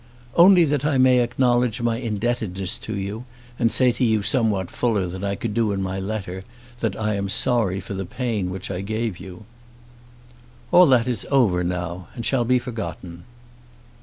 "Only that I may acknowledge my indebtedness to you, and say to you somewhat fuller than I could do in my letter that I am sorry for the pain which I gave you." "All that is over now, and shall be forgotten."